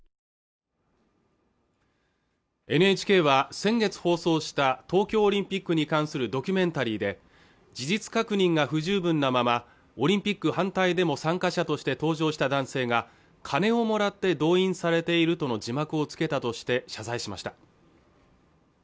ＮＨＫは先月放送した東京オリンピックに関するドキュメンタリーで事実確認が不十分なままオリンピック反対デモ参加者として登場した男性が金をもらって動員されているとの字幕をつけたとして謝罪しました